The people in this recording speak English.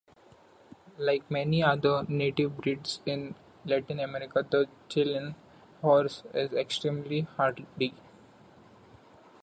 Like many other native breeds in Latin America, the Chilean Horse is extremely hardy.